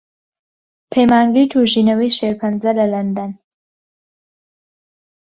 پەیمانگای توێژینەوەی شێرپەنجە لە لەندەن